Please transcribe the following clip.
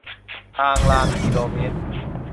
ตางรางกิโลเมตร